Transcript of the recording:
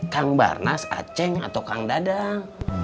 kang barnas a ceng atau kang dadah